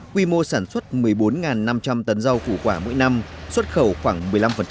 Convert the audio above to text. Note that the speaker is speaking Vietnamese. quy mô sản xuất một mươi bốn năm trăm linh tấn rau củ quả mỗi năm xuất khẩu khoảng một mươi năm